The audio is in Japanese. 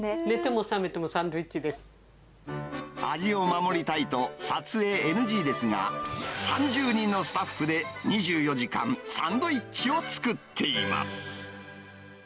寝ても覚めてもサンドイッチ味を守りたいと、撮影ＮＧですが、３０人のスタッフで、２４時間、サンドイッチを作っています。